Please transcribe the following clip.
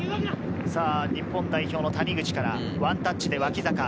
日本代表の谷口からワンタッチで脇坂。